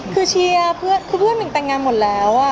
คือเชียร์เพื่อนแบบเหมือนเพื่อนเริ่มตังงานหมดแล้วอ่ะ